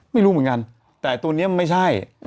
ไม่รู้เหมือนกันแต่ตัวนี้ไม่ใช่